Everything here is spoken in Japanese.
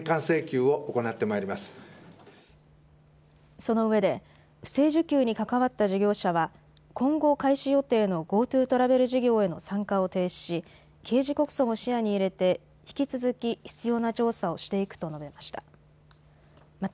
そのうえで不正受給に関わった事業者は今後開始予定のＧｏＴｏトラベルへの参加を停止し刑事告訴も視野に入れて引き続き必要な調査をしていくと述べました。